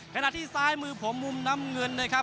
ขณะที่ซ้ายมือผมมุมน้ำเงินนะครับ